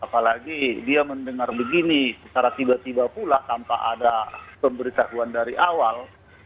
apalagi dia mendengar begini secara tiba tiba pula tanpa ada pemberitahuan dari awal